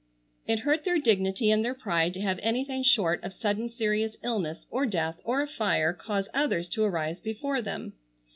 It hurt their dignity and their pride to have anything short of sudden serious illness, or death, or a fire cause others to arise before them.